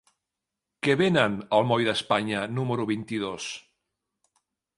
Què venen al moll d'Espanya número vint-i-dos?